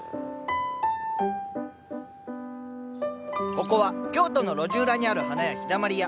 ここは京都の路地裏にある花屋「陽だまり屋」。